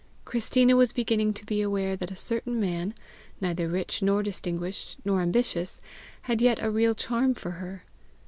Christina was beginning to be aware that a certain man, neither rich nor distinguished nor ambitious, had yet a real charm for her.